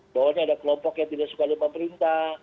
bahwa ada kelompok yang tidak suka lupa perintah